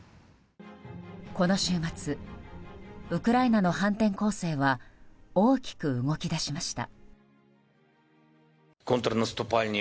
この週末ウクライナの反転攻勢は大きく動き出しました。